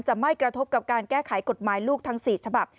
ไม่กระทบกับการแก้ไขกฎหมายลูกทั้ง๔ฉบับ